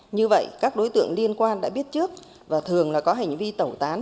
như vậy các đối tượng liên quan đã biết trước và thường là có hành vi tẩu tán